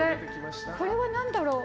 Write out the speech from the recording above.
これは何だろう？